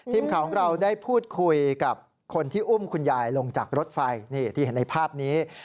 ทีมของเราได้พูดคุยกับคนที่อุ้มคุณยายลงจากรถไฟ